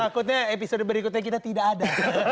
takutnya episode berikutnya kita tidak ada